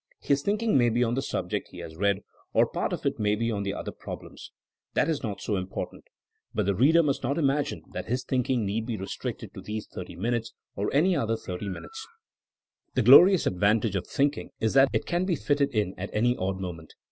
His thinking may be on the subject he has read, or part of it may be on other prob lems. That is not so important. But the reader must not imagine that his thinking need 186 THmKINO AS A SCIENCE be restricted to these thirty miimtes or any other thirty mimites. The glorious advantage of thinking is that it can be fitted in at any odd mo ment.